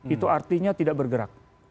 itu artinya tidak bergerak